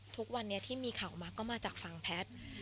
ทุกวันนี้ที่มีข่าวมาก็มาจากฝั่งแพทย์